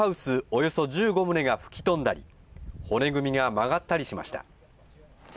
およそ１５棟が吹き飛んだり、骨組みが曲がったりしました。